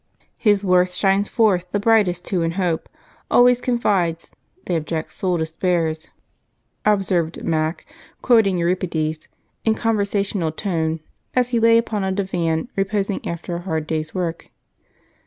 "His worth shines forth the brightest who in hope Always confides: the Abject soul despairs," observed Mac, quoting Euripides in a conversational tone as he lay upon a divan reposing after a hard day's work.